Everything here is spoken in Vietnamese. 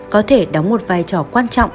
có thể đóng một vai trò quan trọng